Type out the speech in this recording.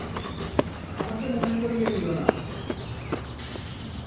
আমাকে মনে করিয়ে দিও না।